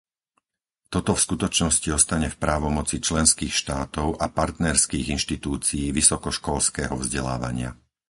Toto v skutočnosti ostane v právomoci členských štátov a partnerských inštitúcií vysokoškolského vzdelávania.